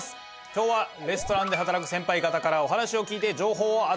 今日はレストランで働くセンパイ方からお話を聞いて情報を集めたいと思います！